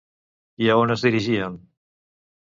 I a on es dirigien?